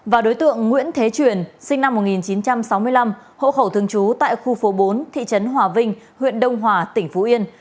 và đối tượng nguyễn thế truyền sinh năm một nghìn chín trăm sáu mươi năm hộ khẩu thường trú tại khu phố bốn thị trấn hòa vinh huyện đông hòa tỉnh phú yên